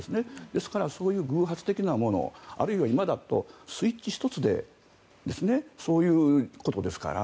ですから、そういう偶発的なものあるいは今だとスイッチ１つでそういうことですから